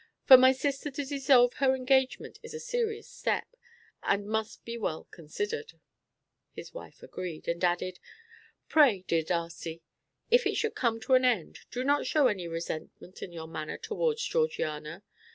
For my sister to dissolve her engagement is a serious step, and must be well considered." His wife agreed, and added: "Pray, dear Darcy, if it should come to an end, do not show any resentment in your manner towards Georgiana.